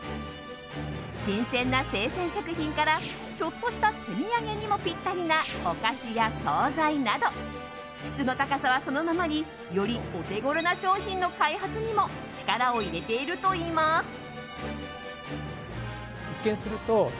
新鮮な生鮮食品からちょっとした手土産にもぴったりなお菓子や総菜など質の高さはそのままによりお手ごろな商品の開発にも力を入れているといいます。